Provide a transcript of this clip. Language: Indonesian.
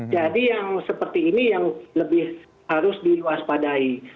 jadi yang seperti ini yang lebih harus diluas padai